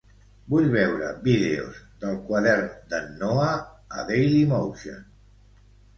Vull veure vídeos d'"El quadern d'en Noah" a DailyMotion.